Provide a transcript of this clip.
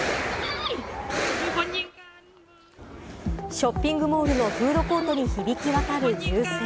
ショッピングモールのフードコートに響き渡る銃声。